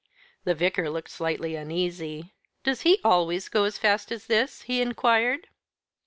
The Vicar looked slightly uneasy. "Does he always go as fast as this?" he inquired.